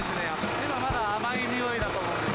今はまだ甘いにおいだと思うんです。